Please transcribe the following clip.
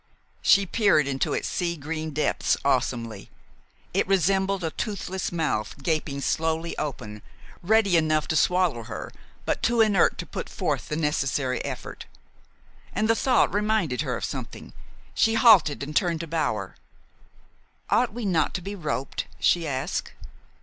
She peered into its sea green depths awesomely. It resembled a toothless mouth gaping slowly open, ready enough to swallow her, but too inert to put forth the necessary effort. And the thought reminded her of something. She halted and turned to Bower. "Ought we not to be roped?" she asked.